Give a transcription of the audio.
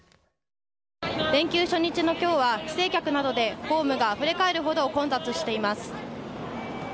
連休初日の今日は帰省客などでホームがあふれかえるほど混雑しています。